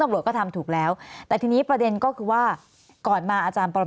ตำรวจก็ทำถูกแล้วแต่ทีนี้ประเด็นก็คือว่าก่อนมาอาจารย์ปร